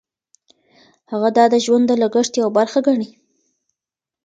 هغه دا د ژوند د لګښت یوه برخه ګڼي.